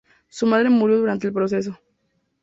Su madre murió durante el proceso.